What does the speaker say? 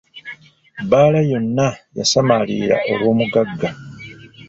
Bbaala yonna yasamalirira olw'omugagga.